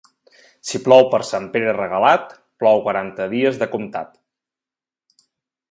Si plou per Sant Pere Regalat, plou quaranta dies de comptat.